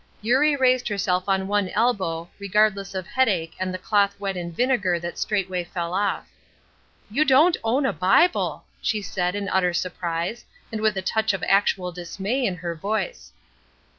Eurie raised herself on one elbow, regardless of headache and the cloth wet in vinegar that straightway fell off. "You don't own a Bible!" she said, in utter surprise, and with a touch of actual dismay in her voice.